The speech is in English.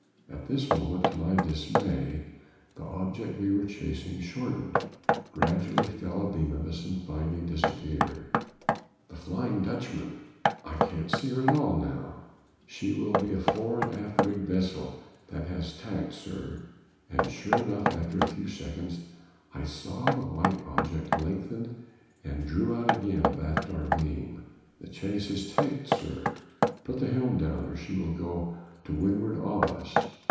At this moment, to my dismay, the object we were chasing shortened, gradually fell abeam of us, and finally disappeared. "The flying Dutchman." "I can't see her at all now." "She will be a fore and aft rigged vessel that has tacked, sir." And sure enough, after a few seconds, I saw the white object lengthened and drew out again abaft our beam. "The chase has tacked, sir; put the helm down, or she will go to windward of us."